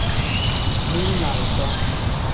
Mili ni alifa.